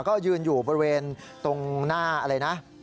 ก็ยืนอยู่บริเวณตรงหน้าอะไรนะ